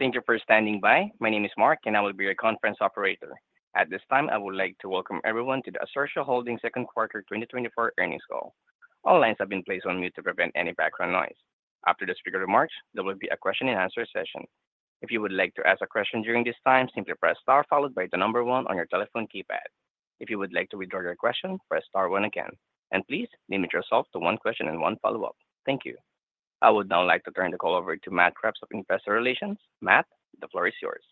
Thank you for standing by. My name is Mark, and I will be your conference operator. At this time, I would like to welcome everyone to the Assertio Holdings second quarter 2024 earnings call. All lines have been placed on mute to prevent any background noise. After the speaker remarks, there will be a question-and-answer session. If you would like to ask a question during this time, simply press Star followed by the number one on your telephone keypad. If you would like to withdraw your question, press star one again, and please limit yourself to one question and one follow-up. Thank you. I would now like to turn the call over to Matt Kreps of Investor Relations. Matt, the floor is yours.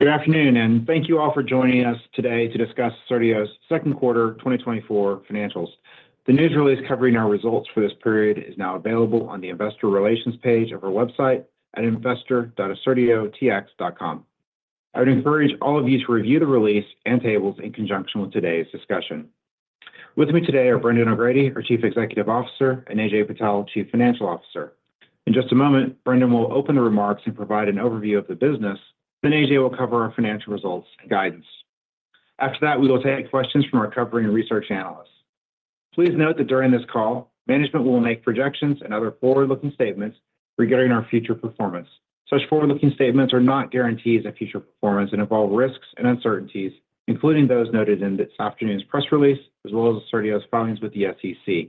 Good afternoon, and thank you all for joining us today to discuss Assertio's second quarter 2024 financials. The news release covering our results for this period is now available on the Investor Relations page of our website at investor.assertiotx.com. I would encourage all of you to review the release and tables in conjunction with today's discussion. With me today are Brendan O'Grady, our Chief Executive Officer, and Ajay Patel, Chief Financial Officer. In just a moment, Brendan will open the remarks and provide an overview of the business. Then Ajay will cover our financial results and guidance. After that, we will take questions from our covering and research analysts. Please note that during this call, management will make projections and other forward-looking statements regarding our future performance. Such forward-looking statements are not guarantees of future performance and involve risks and uncertainties, including those noted in this afternoon's press release, as well as Assertio's filings with the SEC.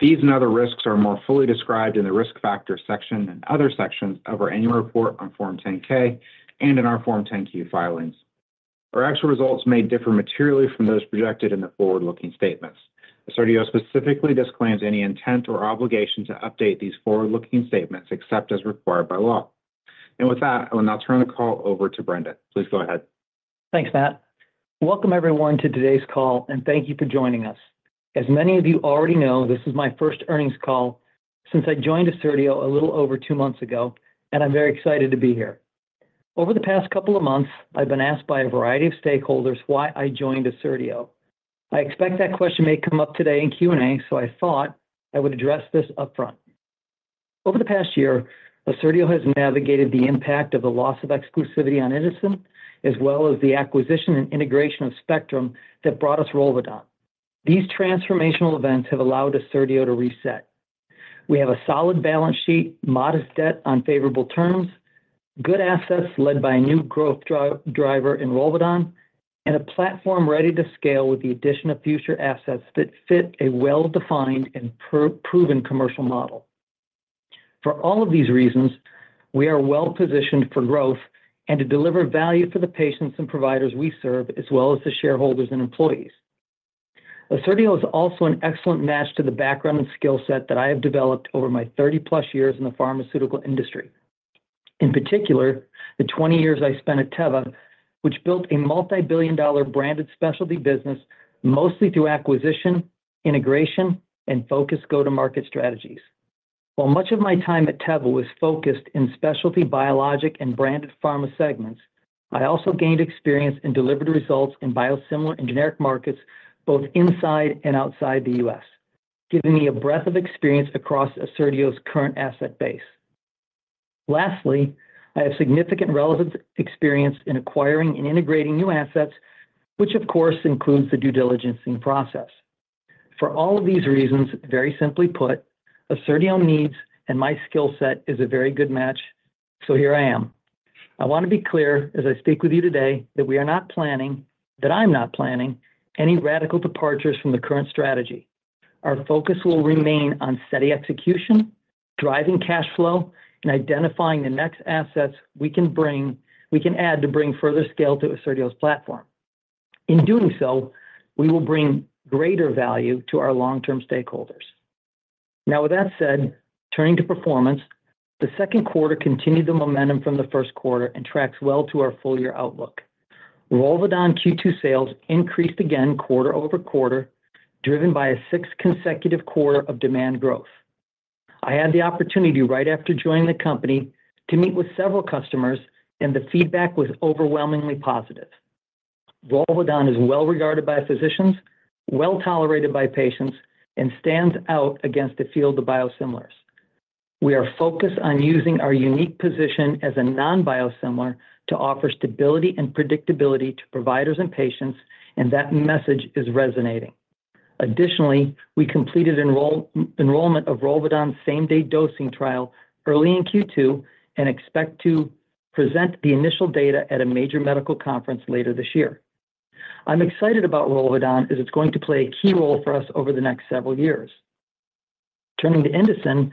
These and other risks are more fully described in the Risk Factors section and other sections of our annual report on Form 10-K and in our Form 10-Q filings. Our actual results may differ materially from those projected in the forward-looking statements. Assertio specifically disclaims any intent or obligation to update these forward-looking statements except as required by law. With that, I will now turn the call over to Brendan. Please go ahead. Thanks, Matt. Welcome everyone to today's call, and thank you for joining us. As many of you already know, this is my first earnings call since I joined Assertio a little over two months ago, and I'm very excited to be here. Over the past couple of months, I've been asked by a variety of stakeholders why I joined Assertio. I expect that question may come up today in Q&A, so I thought I would address this upfront. Over the past year, Assertio has navigated the impact of the loss of exclusivity on Indocin, as well as the acquisition and integration of Spectrum that brought us ROLVEDON. These transformational events have allowed Assertio to reset. We have a solid balance sheet, modest debt on favorable terms, good assets led by a new growth driver in ROLVEDON, and a platform ready to scale with the addition of future assets that fit a well-defined and proven commercial model. For all of these reasons, we are well positioned for growth and to deliver value to the patients and providers we serve, as well as the shareholders and employees. Assertio is also an excellent match to the background and skill set that I have developed over my 30+ years in the pharmaceutical industry. In particular, the 20 years I spent at Teva, which built a multi-billion-dollar branded specialty business, mostly through acquisition, integration, and focused go-to-market strategies. While much of my time at Teva was focused in specialty biologic and branded pharma segments, I also gained experience and delivered results in biosimilar and generic markets, both inside and outside the U.S., giving me a breadth of experience across Assertio's current asset base. Lastly, I have significant relevant experience in acquiring and integrating new assets, which, of course, includes the due diligencing process. For all of these reasons, very simply put, Assertio needs, and my skill set is a very good match, so here I am. I want to be clear, as I speak with you today, that we are not planning, that I'm not planning any radical departures from the current strategy. Our focus will remain on steady execution, driving cash flow, and identifying the next assets we can bring, we can add to bring further scale to Assertio's platform. In doing so, we will bring greater value to our long-term stakeholders. Now, with that said, turning to performance, the second quarter continued the momentum from the first quarter and tracks well to our full-year outlook. ROLVEDON Q2 sales increased again quarter-over-quarter, driven by a sixth consecutive quarter of demand growth. I had the opportunity right after joining the company to meet with several customers, and the feedback was overwhelmingly positive. ROLVEDON is well regarded by physicians, well tolerated by patients, and stands out against the field of biosimilars. We are focused on using our unique position as a non-biosimilar to offer stability and predictability to providers and patients, and that message is resonating. Additionally, we completed enrollment of ROLVEDON's same-day dosing trial early in Q2 and expect to present the initial data at a major medical conference later this year. I'm excited about ROLVEDON as it's going to play a key role for us over the next several years. Turning to Indocin,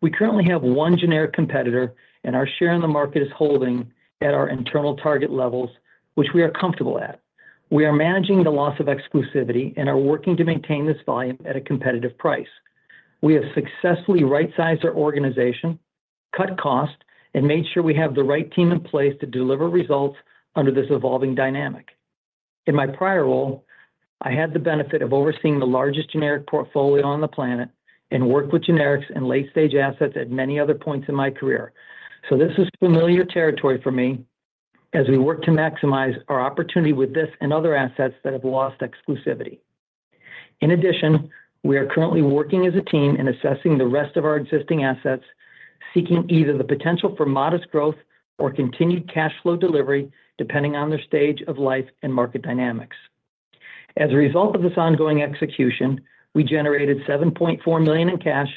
we currently have one generic competitor, and our share in the market is holding at our internal target levels, which we are comfortable at. We are managing the loss of exclusivity and are working to maintain this volume at a competitive price. We have successfully right-sized our organization, cut costs, and made sure we have the right team in place to deliver results under this evolving dynamic. In my prior role, I had the benefit of overseeing the largest generic portfolio on the planet and worked with generics and late-stage assets at many other points in my career. So this is familiar territory for me as we work to maximize our opportunity with this and other assets that have lost exclusivity. In addition, we are currently working as a team and assessing the rest of our existing assets, seeking either the potential for modest growth or continued cash flow delivery, depending on their stage of life and market dynamics. As a result of this ongoing execution, we generated $7.4 million in cash,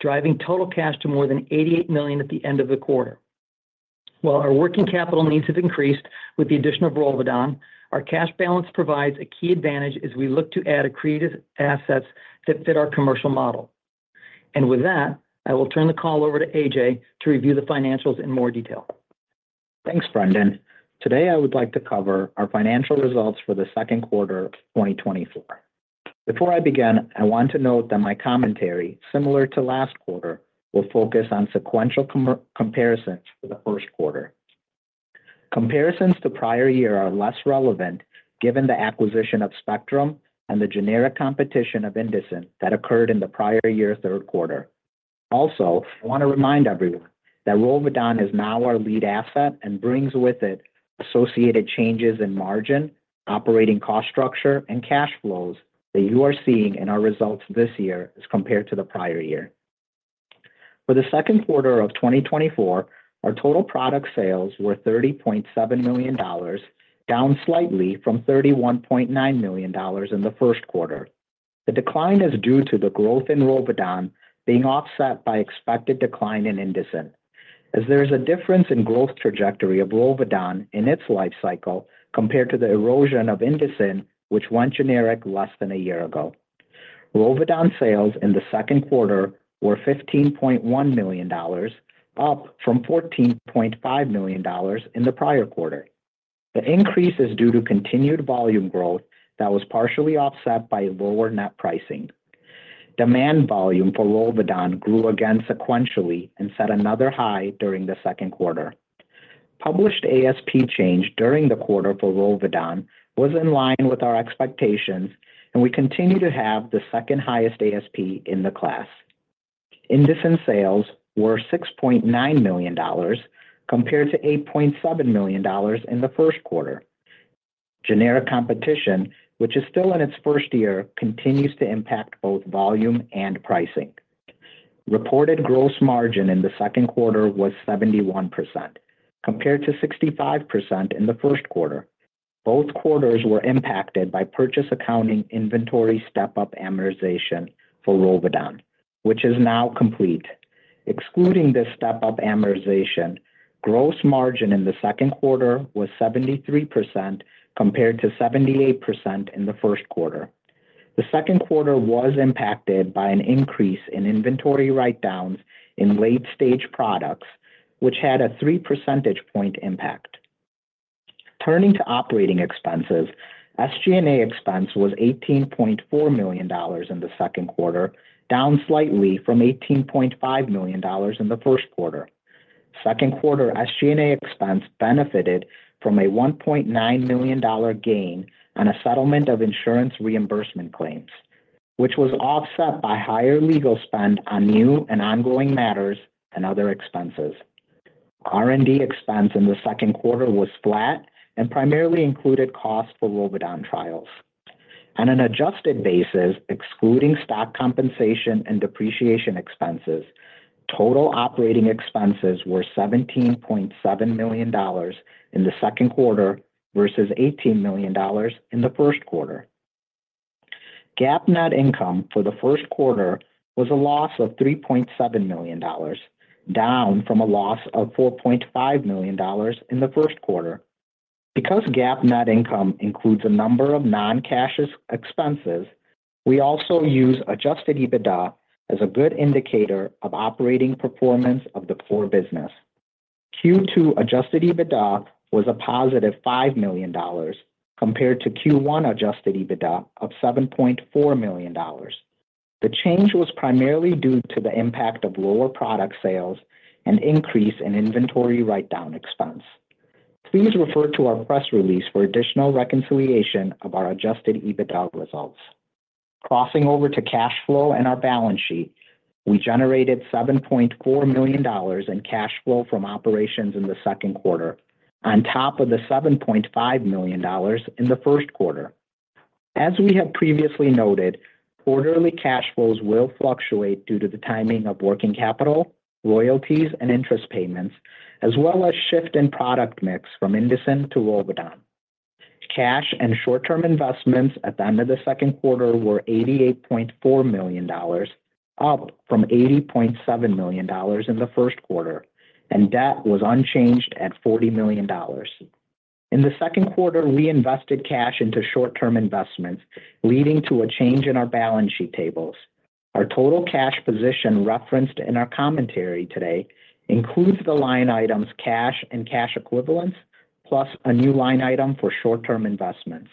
driving total cash to more than $88 million at the end of the quarter. While our working capital needs have increased with the addition of ROLVEDON, our cash balance provides a key advantage as we look to add accretive assets that fit our commercial model. With that, I will turn the call over to Ajay to review the financials in more detail. Thanks, Brendan. Today, I would like to cover our financial results for the second quarter of 2024. Before I begin, I want to note that my commentary, similar to last quarter, will focus on sequential comparisons for the first quarter. Comparisons to prior year are less relevant, given the acquisition of Spectrum and the generic competition of Indocin that occurred in the prior year, third quarter. Also, I want to remind everyone that ROLVEDON is now our lead asset and brings with it associated changes in margin, operating cost structure, and cash flows that you are seeing in our results this year as compared to the prior year. For the second quarter of 2024, our total product sales were $30.7 million, down slightly from $31.9 million in the first quarter. The decline is due to the growth in ROLVEDON being offset by expected decline in Indocin, as there is a difference in growth trajectory of ROLVEDON in its life cycle compared to the erosion of Indocin, which went generic less than a year ago. ROLVEDON sales in the second quarter were $15.1 million, up from $14.5 million in the prior quarter. The increase is due to continued volume growth that was partially offset by lower net pricing. Demand volume for ROLVEDON grew again sequentially and set another high during the second quarter. Published ASP change during the quarter for ROLVEDON was in line with our expectations, and we continue to have the second highest ASP in the class. Indocin sales were $6.9 million, compared to $8.7 million in the first quarter. Generic competition, which is still in its first year, continues to impact both volume and pricing. Reported gross margin in the second quarter was 71%, compared to 65% in the first quarter. Both quarters were impacted by purchase accounting inventory step-up amortization for ROLVEDON, which is now complete. Excluding this step-up amortization, gross margin in the second quarter was 73%, compared to 78% in the first quarter. The second quarter was impacted by an increase in inventory write-downs in late-stage products, which had a three percentage point impact. Turning to operating expenses, SG&A expense was $18.4 million in the second quarter, down slightly from $18.5 million in the first quarter. Second quarter SG&A expense benefited from a $1.9 million gain on a settlement of insurance reimbursement claims, which was offset by higher legal spend on new and ongoing matters and other expenses. R&D expense in the second quarter was flat and primarily included costs for ROLVEDON trials. On an adjusted basis, excluding stock compensation and depreciation expenses, total operating expenses were $17.7 million in the second quarter versus $18 million in the first quarter. GAAP net income for the first quarter was a loss of $3.7 million, down from a loss of $4.5 million in the first quarter. Because GAAP net income includes a number of non-cash expenses, we also use adjusted EBITDA as a good indicator of operating performance of the core business. Q2 adjusted EBITDA was a positive $5 million, compared to Q1 adjusted EBITDA of $7.4 million. The change was primarily due to the impact of lower product sales and increase in inventory write-down expense. Please refer to our press release for additional reconciliation of our adjusted EBITDA results. Crossing over to cash flow and our balance sheet, we generated $7.4 million in cash flow from operations in the second quarter on top of the $7.5 million in the first quarter. As we have previously noted, quarterly cash flows will fluctuate due to the timing of working capital, royalties, and interest payments, as well as shift in product mix from Indocin to ROLVEDON. Cash and short-term investments at the end of the second quarter were $88.4 million, up from $80.7 million in the first quarter, and debt was unchanged at $40 million. In the second quarter, we invested cash into short-term investments, leading to a change in our balance sheet tables. Our total cash position referenced in our commentary today includes the line items cash and cash equivalents, plus a new line item for short-term investments.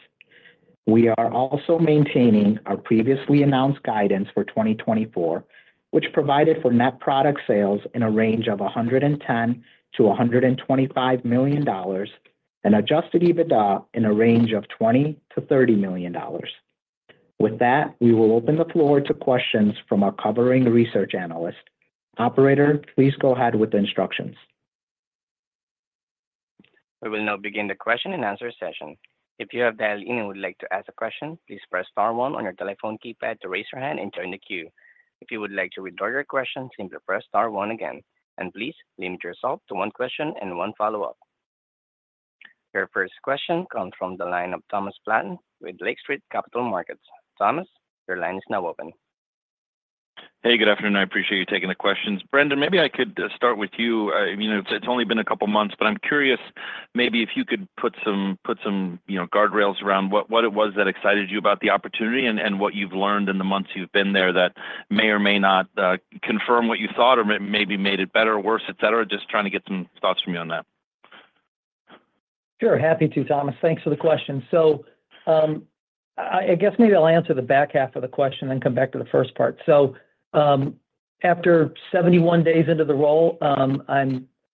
We are also maintaining our previously announced guidance for 2024, which provided for net product sales in a range of $110 million-$125 million and adjusted EBITDA in a range of $20 million-$30 million. With that, we will open the floor to questions from our covering research analysts. Operator, please go ahead with the instructions. We will now begin the question and answer session. If you have dialed in and would like to ask a question, please press star one on your telephone keypad to raise your hand and join the queue. If you would like to withdraw your question, simply press star one again, and please limit yourself to one question and one follow-up. Your first question comes from the line of Thomas Flaten with Lake Street Capital Markets. Thomas, your line is now open. Hey, good afternoon. I appreciate you taking the questions. Brendan, maybe I could start with you. You know, it's only been a couple of months, but I'm curious maybe if you could put some you know, guardrails around what it was that excited you about the opportunity and what you've learned in the months you've been there that may or may not confirm what you thought or maybe made it better or worse, etcetera. Just trying to get some thoughts from you on that. Sure, happy to, Thomas. Thanks for the question. So, I guess maybe I'll answer the back half of the question, then come back to the first part. So, after 71 days into the role,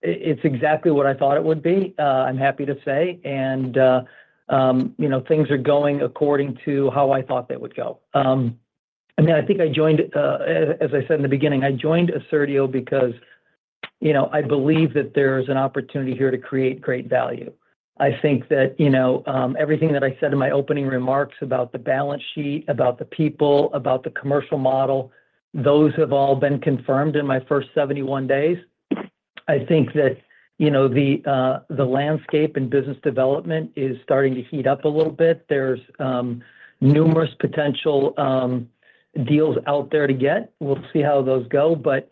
it's exactly what I thought it would be. I'm happy to say, and you know, things are going according to how I thought they would go. I mean, I think I joined. As I said in the beginning, I joined Assertio because, you know, I believe that there's an opportunity here to create great value. I think that, you know, everything that I said in my opening remarks about the balance sheet, about the people, about the commercial model, those have all been confirmed in my first 71 days. I think that, you know, the landscape and business development is starting to heat up a little bit. There's numerous potential deals out there to get. We'll see how those go, but,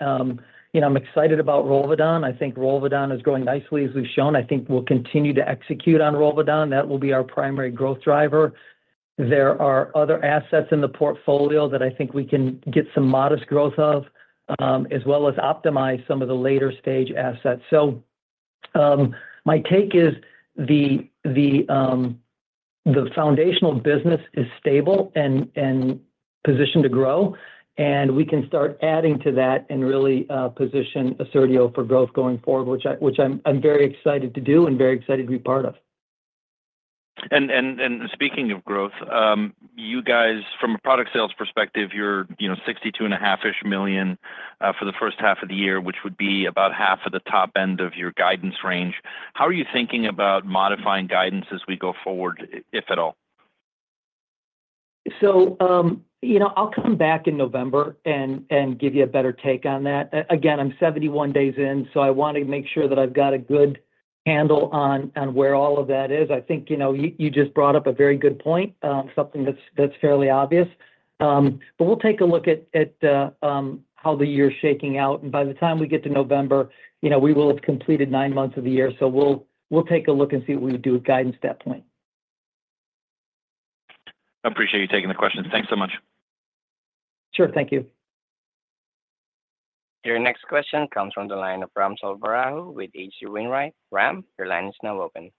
you know, I'm excited about ROLVEDON. I think ROLVEDON is growing nicely, as we've shown. I think we'll continue to execute on ROLVEDON. That will be our primary growth driver. There are other assets in the portfolio that I think we can get some modest growth of, as well as optimize some of the later stage assets. So, my take is the, the foundational business is stable and positioned to grow, and we can start adding to that and really, position Assertio for growth going forward, which I'm very excited to do and very excited to be part of. Speaking of growth, you guys, from a product sales perspective, you're, you know, $62.5-ish million for the first half of the year, which would be about half of the top end of your guidance range. How are you thinking about modifying guidance as we go forward, if at all? So, you know, I'll come back in November and give you a better take on that. Again, I'm 71 days in, so I want to make sure that I've got a good handle on where all of that is. I think, you know, you just brought up a very good point, something that's fairly obvious. But we'll take a look at how the year is shaking out, and by the time we get to November, you know, we will have completed nine months of the year. So we'll take a look and see what we would do with guidance at that point. I appreciate you taking the question. Thanks so much. Sure. Thank you. Your next question comes from the line of Ram Selvaraju with H.C. Wainwright. Ram, your line is now open.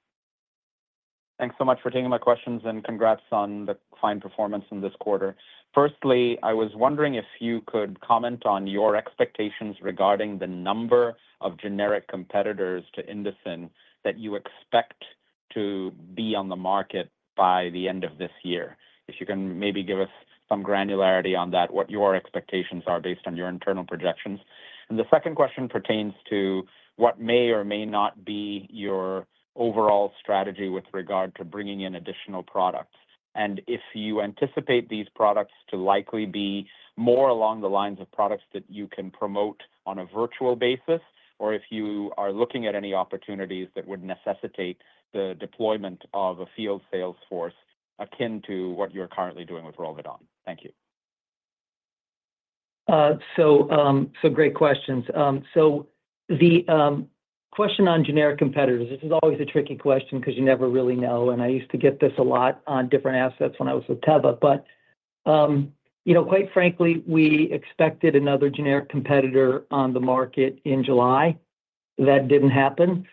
Thanks so much for taking my questions, and congrats on the fine performance in this quarter. Firstly, I was wondering if you could comment on your expectations regarding the number of generic competitors to Indocin that you expect to be on the market by the end of this year? If you can maybe give us some granularity on that, what your expectations are based on your internal projections? And the second question pertains to what may or may not be your overall strategy with regard to bringing in additional products, and if you anticipate these products to likely be more along the lines of products that you can promote on a virtual basis, or if you are looking at any opportunities that would necessitate the deployment of a field sales force akin to what you're currently doing with ROLVEDON? Thank you. So great questions. So the question on generic competitors, this is always a tricky question because you never really know, and I used to get this a lot on different assets when I was with Teva. But you know, quite frankly, we expected another generic competitor on the market in July. That didn't happen.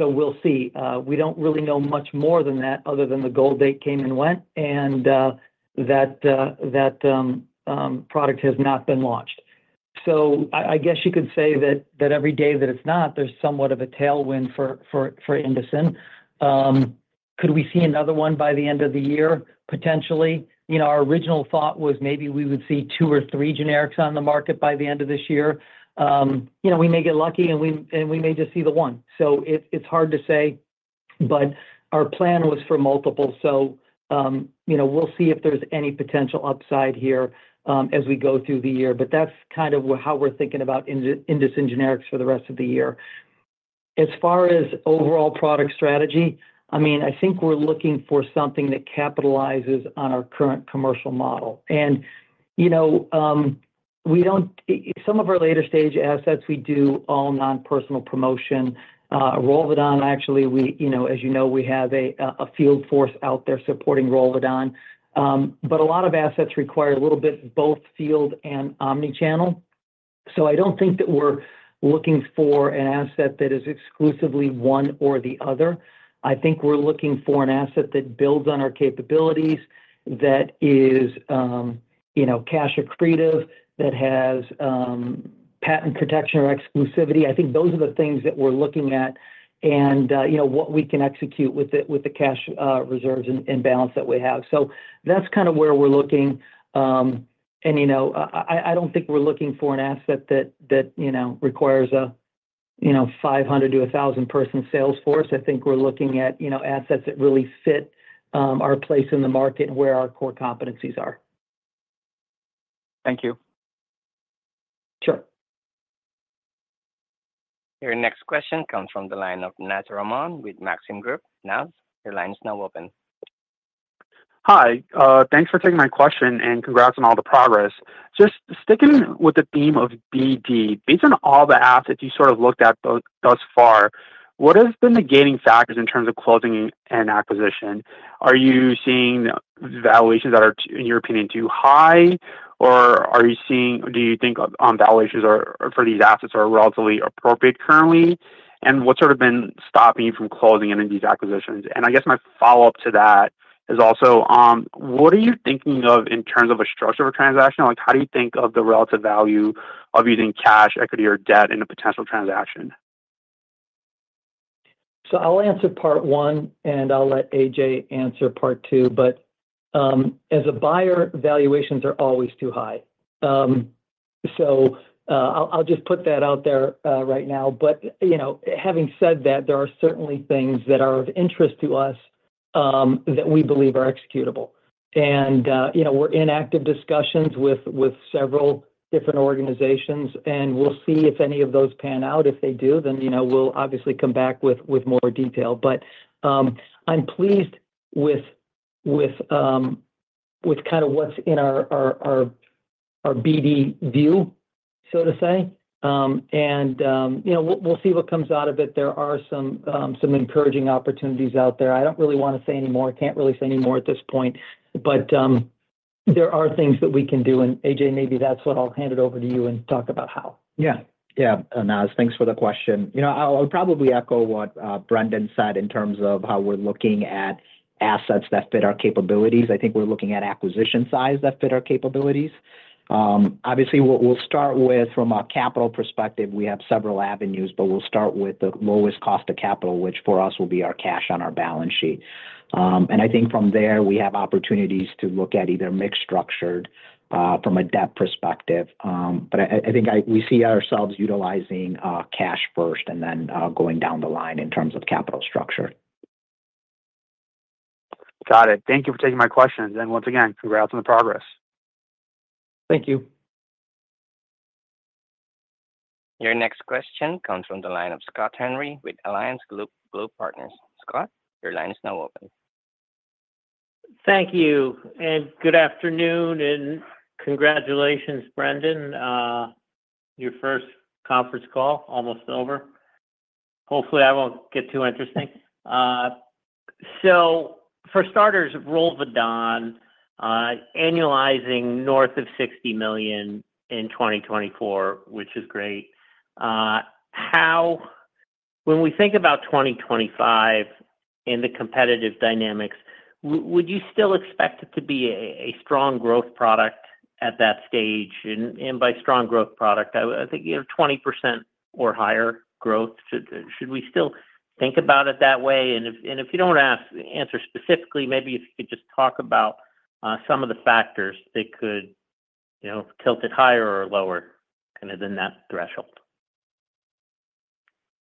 So we'll see. We don't really know much more than that other than the goal date came and went, and that product has not been launched. So I guess you could say that every day that it's not, there's somewhat of a tailwind for Indocin. Could we see another one by the end of the year? Potentially. You know, our original thought was maybe we would see two or three generics on the market by the end of this year. You know, we may get lucky, and we may just see the one. So it's hard to say, but our plan was for multiple. So, you know, we'll see if there's any potential upside here, as we go through the year. But that's kind of how we're thinking about Indocin generics for the rest of the year. As far as overall product strategy, I mean, I think we're looking for something that capitalizes on our current commercial model. And, you know, some of our later stage assets, we do all non-personal promotion. ROLVEDON, actually, we, you know, as you know, we have a field force out there supporting ROLVEDON. But a lot of assets require a little bit both field and omni-channel. So I don't think that we're looking for an asset that is exclusively one or the other. I think we're looking for an asset that builds on our capabilities, that is, you know, cash accretive, that has patent protection or exclusivity. I think those are the things that we're looking at and, you know, what we can execute with the cash reserves and balance that we have. So that's kind of where we're looking. And, you know, I don't think we're looking for an asset that, you know, requires a 500- to 1,000-person sales force. I think we're looking at, you know, assets that really fit our place in the market and where our core competencies are. Thank you. Sure. Your next question comes from the line of Naz Rahman with Maxim Group. Naz, your line is now open. Hi, thanks for taking my question, and congrats on all the progress. Just sticking with the theme of BD, based on all the assets you sort of looked at thus far, what have been the gating factors in terms of closing an acquisition? Are you seeing valuations that are, in your opinion, too high, or do you think valuations are for these assets relatively appropriate currently? And what's sort of been stopping you from closing any of these acquisitions? And I guess my follow-up to that is also, what are you thinking of in terms of a structure of a transaction? Like, how do you think of the relative value of using cash, equity, or debt in a potential transaction? So I'll answer part one, and I'll let Ajay answer part two. But as a buyer, valuations are always too high. So I'll just put that out there right now. But you know, having said that, there are certainly things that are of interest to us that we believe are executable. And you know, we're in active discussions with several different organizations, and we'll see if any of those pan out. If they do, then you know, we'll obviously come back with more detail. But I'm pleased with kind of what's in our BD view, so to say. And you know, we'll see what comes out of it. There are some encouraging opportunities out there. I don't really wanna say any more. I can't really say any more at this point, but there are things that we can do. And Ajay, maybe that's what I'll hand it over to you and talk about how. Yeah. Yeah, Naz, thanks for the question. You know, I'll probably echo what Brendan said in terms of how we're looking at assets that fit our capabilities. I think we're looking at acquisition size that fit our capabilities. Obviously, what we'll start with from a capital perspective, we have several avenues, but we'll start with the lowest cost of capital, which for us will be our cash on our balance sheet. And I think from there, we have opportunities to look at either mixed structured from a debt perspective. But I think we see ourselves utilizing cash first and then going down the line in terms of capital structure. Got it. Thank you for taking my questions, and once again, congrats on the progress. Thank you. Your next question comes from the line of Scott Henry with Alliance Global Partners. Scott, your line is now open. Thank you, and good afternoon, and congratulations, Brendan. Your first conference call almost over. Hopefully, that won't get too interesting. So for starters, ROLVEDON, annualizing north of $60 million in 2024, which is great. When we think about 2025 and the competitive dynamics, would you still expect it to be a strong growth product at that stage? And by strong growth product, I, I think, you know, 20% or higher growth. Should we still think about it that way? And if you don't answer specifically, maybe if you could just talk about some of the factors that could, you know, tilt it higher or lower, kind of in that threshold.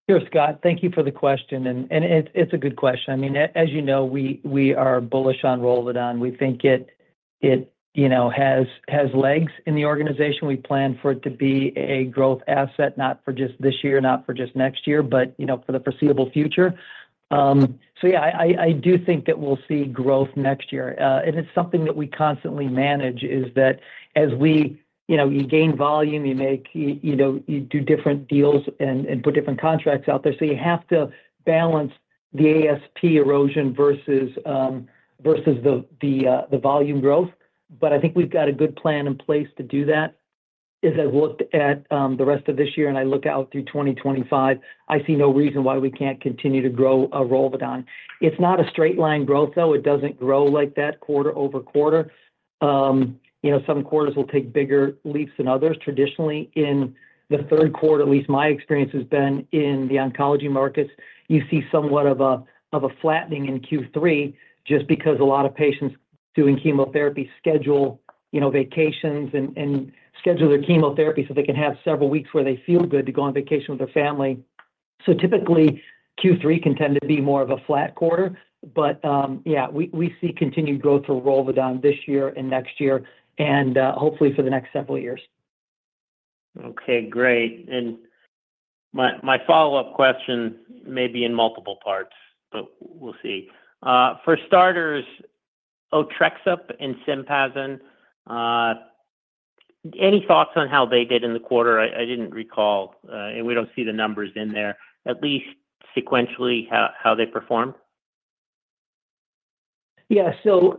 Sure, Scott. Thank you for the question, and it it's a good question. I mean, as you know, we are bullish on ROLVEDON. We think it you know has legs in the organization. We plan for it to be a growth asset, not for just this year, not for just next year, but you know for the foreseeable future. So yeah, I do think that we'll see growth next year. And it's something that we constantly manage, is that as we... You know, you gain volume, you know you do different deals and put different contracts out there, so you have to balance the ASP erosion versus the volume growth. But I think we've got a good plan in place to do that. As I've looked at the rest of this year, and I look out through 2025, I see no reason why we can't continue to grow ROLVEDON. It's not a straight line growth, though. It doesn't grow like that quarter over quarter. You know, some quarters will take bigger leaps than others. Traditionally, in the third quarter, at least my experience has been in the oncology markets, you see somewhat of a flattening in Q3 just because a lot of patients doing chemotherapy schedule you know, vacations and schedule their chemotherapy, so they can have several weeks where they feel good to go on vacation with their family. So typically, Q3 can tend to be more of a flat quarter. But yeah, we see continued growth for ROLVEDON this year and next year, and hopefully for the next several years. Okay, great. And my follow-up question may be in multiple parts, but we'll see. For starters, Otrexup and Sympazan, any thoughts on how they did in the quarter? I didn't recall, and we don't see the numbers in there, at least sequentially, how they performed. Yeah. So,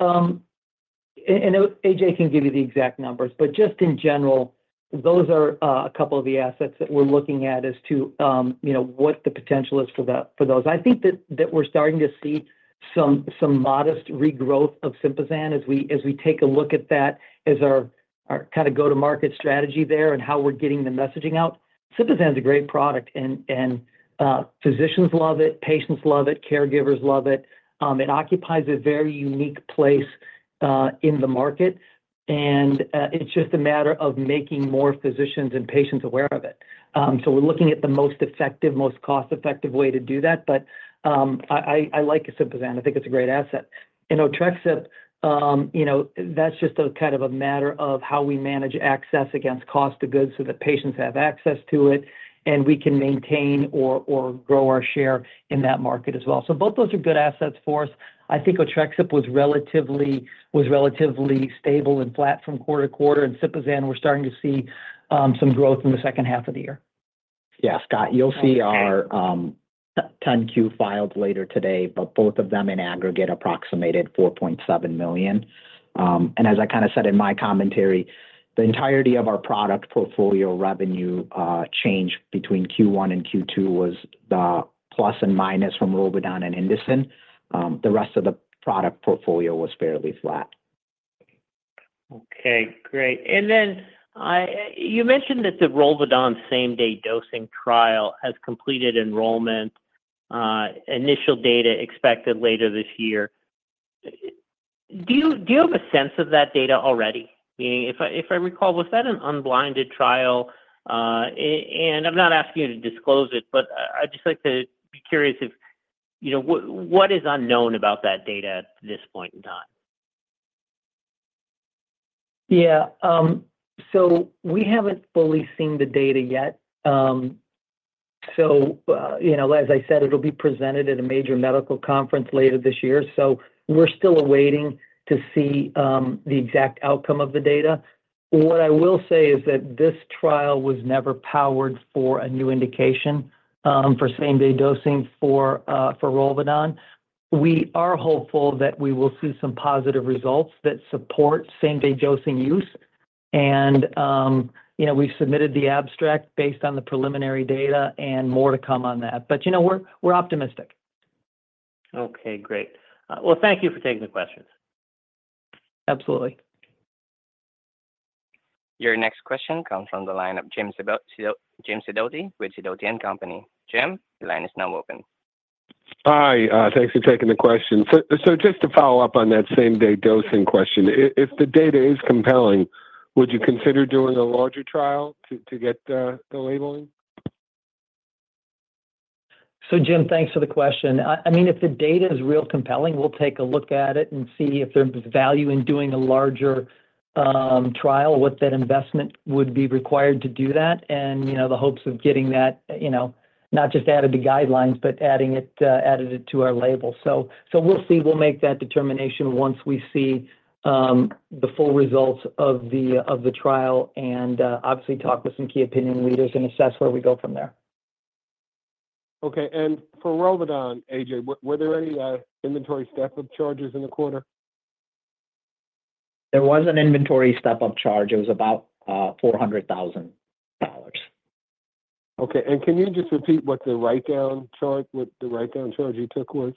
and Ajay can give you the exact numbers, but just in general, those are a couple of the assets that we're looking at as to, you know, what the potential is for the- for those. I think that we're starting to see some modest regrowth of Sympazan as we take a look at that as our kind of go-to-market strategy there and how we're getting the messaging out. Sympazan is a great product, and physicians love it, patients love it, caregivers love it. It occupies a very unique place in the market, and it's just a matter of making more physicians and patients aware of it. So we're looking at the most effective, most cost-effective way to do that, but I like Sympazan. I think it's a great asset. Otrexup, you know, that's just a kind of a matter of how we manage access against cost of goods so that patients have access to it, and we can maintain or grow our share in that market as well. So both those are good assets for us. I think Otrexup was relatively stable and flat from quarter to quarter, and Sympazan, we're starting to see some growth in the second half of the year. Yeah, Scott, you'll see our 10-Q files later today, but both of them in aggregate approximated $4.7 million. And as I kind of said in my commentary, the entirety of our product portfolio revenue change between Q1 and Q2 was the plus and minus from ROLVEDON and Indocin. The rest of the product portfolio was fairly flat. Okay, great. And then, I- you mentioned that the ROLVEDON same-day dosing trial has completed enrollment, initial data expected later this year. Do you, do you have a sense of that data already? Meaning, if I, if I recall, was that an unblinded trial? And I'm not asking you to disclose it, but I'd just like to be curious if, you know, what, what is unknown about that data at this point in time? Yeah. So we haven't fully seen the data yet. So, you know, as I said, it'll be presented at a major medical conference later this year, so we're still awaiting to see, the exact outcome of the data. What I will say is that this trial was never powered for a new indication, for same-day dosing for, for ROLVEDON. We are hopeful that we will see some positive results that support same-day dosing use. And, you know, we've submitted the abstract based on the preliminary data and more to come on that. But, you know, we're optimistic. Okay, great. Well, thank you for taking the questions. Absolutely. Your next question comes from the line of Jim Sidoti, Jim Sidoti with Sidoti & Company. Jim, your line is now open. Hi, thanks for taking the question. So just to follow up on that same-day dosing question, if the data is compelling, would you consider doing a larger trial to get the labeling? So Jim, thanks for the question. I mean, if the data is real compelling, we'll take a look at it and see if there's value in doing a larger trial, what that investment would be required to do that, and, you know, the hopes of getting that, not just added to guidelines, but adding it to our label. So we'll see. We'll make that determination once we see the full results of the trial and obviously talk with some key opinion leaders and assess where we go from there. Okay. And for ROLVEDON, Ajay, were there any inventory step-up charges in the quarter? There was an inventory step-up charge. It was about $400,000. Okay. And can you just repeat what the write-down charge, what the write-down charge you took was?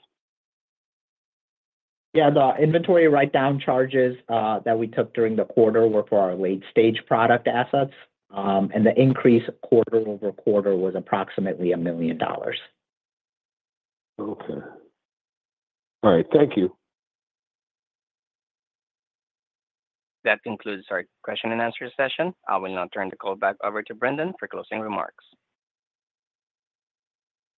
Yeah. The inventory write-down charges that we took during the quarter were for our late-stage product assets. And the increase quarter-over-quarter was approximately $1 million. Okay. All right, thank you. That concludes our question and answer session. I will now turn the call back over to Brendan for closing remarks.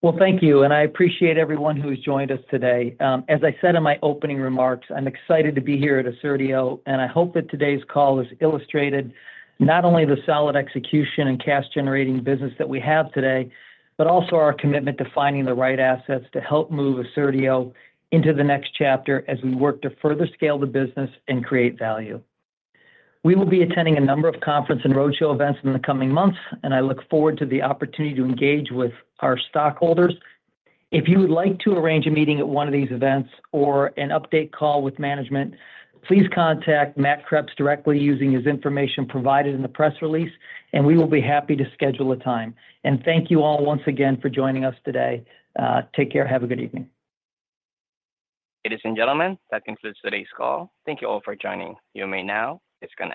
Well, thank you, and I appreciate everyone who has joined us today. As I said in my opening remarks, I'm excited to be here at Assertio, and I hope that today's call has illustrated not only the solid execution and cash-generating business that we have today, but also our commitment to finding the right assets to help move Assertio into the next chapter as we work to further scale the business and create value. We will be attending a number of conference and roadshow events in the coming months, and I look forward to the opportunity to engage with our stockholders. If you would like to arrange a meeting at one of these events or an update call with management, please contact Matt Kreps directly using his information provided in the press release, and we will be happy to schedule a time. Thank you all once again for joining us today. Take care. Have a good evening. Ladies and gentlemen, that concludes today's call. Thank you all for joining. You may now disconnect.